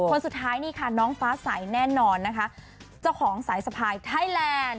คนสุดท้ายนี่ค่ะน้องฟ้าใสแน่นอนนะคะเจ้าของสายสะพายไทยแลนด์